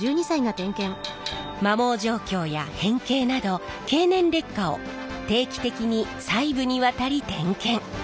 摩耗状況や変形など経年劣化を定期的に細部にわたり点検。